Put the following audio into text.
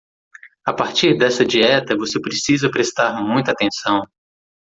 A partir desta dieta, você precisa prestar muita atenção.